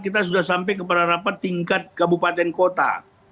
kita sudah sampai kepada rapat tingkat kabupaten kota